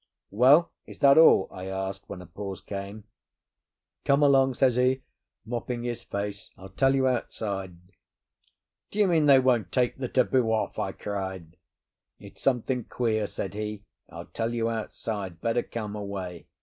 "Well, is that all?" I asked, when a pause came. "Come along," says he, mopping his face; "I'll tell you outside." "Do you mean they won't take the taboo off?" I cried. "It's something queer," said he. "I'll tell you outside. Better come away."